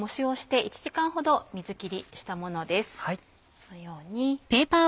このように。